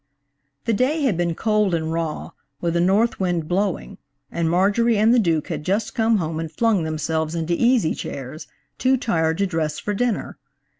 THE day had been cold and raw, with a north wind blowing, and Marjorie and the Duke had just come home and flung themselves into easy chairs, too tired to dress for dinner.